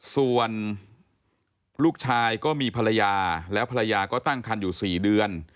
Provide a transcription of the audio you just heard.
ส่วนลูกชายก็มีภรรยาแล้วภรรยาก็ตั้งคันอยู่๔เดือน